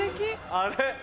あれ？